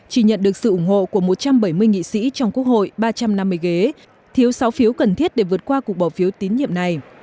chỉ nhận được sự ủng hộ của một trăm bảy mươi nghị sĩ trong quốc hội ba trăm năm mươi ghế thiếu sáu phiếu cần thiết để vượt qua cuộc bỏ phiếu tín nhiệm này